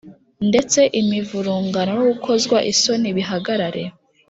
Ndetse imivurungano no gukozwa isoni bihagarare